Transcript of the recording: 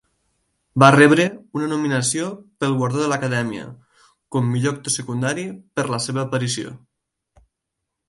Va rebre una nominació pel guardó de l'Acadèmia com millor actor secundari per la seva aparició.